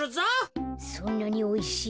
そんなにおいしい？